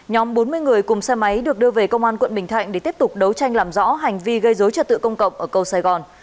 nhóm bốn mươi người cùng xe máy được đưa về công an quận bình thạnh để tiếp tục đấu tranh làm rõ hành vi gây dối trật tự công cộng ở cầu sài gòn